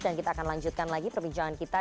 dan kita akan lanjutkan lagi perbincangan kita